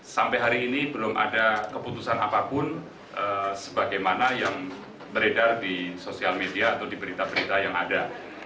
sampai hari ini belum ada keputusan apapun sebagaimana yang beredar di sosial media atau di berita berita yang ada